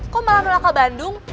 kok malah nolak kak bandung